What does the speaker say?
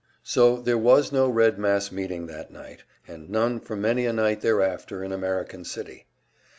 So there was no Red mass meeting that night and none for many a night thereafter in American City!